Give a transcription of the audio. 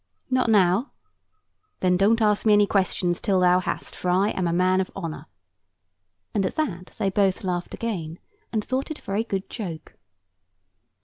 "Not now." "Then don't ask me any questions till thou hast, for I am a man of honour." And at that they both laughed again, and thought it a very good joke.